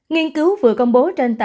nghiên cứu vừa công bố trên tạm biệt